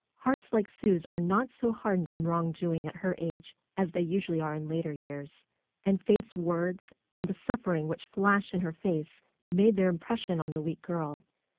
Hearts like Sue's are not so hardened in wrong doing at her age as they usually are in later years. And Faith's words and the suffering which flashed into her face made their impression on the weak girl.